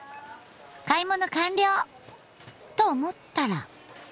買い物完了！と思ったら。